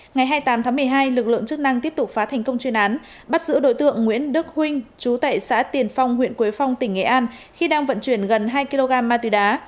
ngày hai mươi tám tháng một mươi hai lực lượng chức năng tiếp tục phá thành công chuyên án bắt giữ đối tượng nguyễn đức huynh chú tại xã tiền phong huyện quế phong tỉnh nghệ an khi đang vận chuyển gần hai kg ma túy đá